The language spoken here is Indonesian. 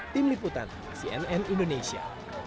tim liputan cnn indonesia